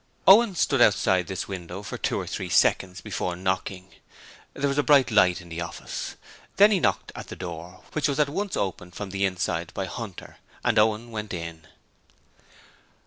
Owen stood outside this window for two or three seconds before knocking. There was a bright light in the office. Then he knocked at the door, which was at once opened from the inside by Hunter, and Owen went in.